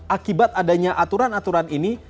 akibat adanya aturan aturan ini